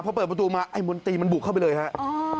พอเปิดประตูมาไอ้มนตรีมันบุกเข้าไปเลยครับ